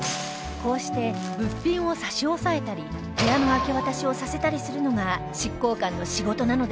こうして物品を差し押さえたり部屋の明け渡しをさせたりするのが執行官の仕事なのです